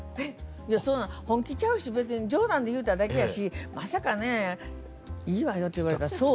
でそんなん本気ちゃうし別に冗談で言うただけやしまさかねいいわよって言われたらそう？